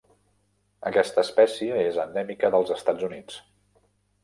Aquesta espècie és endèmica dels Estats Units.